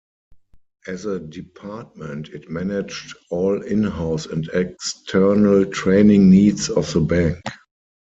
As a department it managed all in-house and external training needs of the bank.